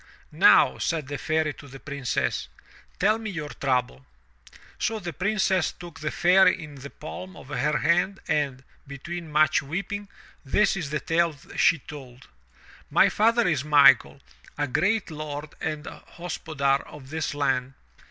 "Now," said the Fairy to the Princess, "tell me your trouble." So the Princess took the Fairy in the palm of her hand and, between much weeping, this is the tale she told: "My father is Michael, a great lord and hospodar of this land.